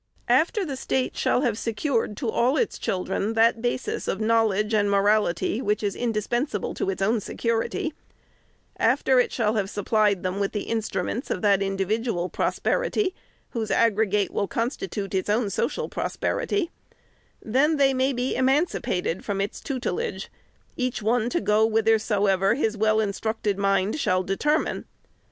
After the State shall have secured to all its children that basis of knowledge and morality which is indispensa ble to its own security ; after it shall have supplied them with the instruments of that individual prosperity, whose aggregate will constitute its own social prosperity ; then they may be emancipated from its tutelage, each one to go whithersoever his well instructed mind shall determine.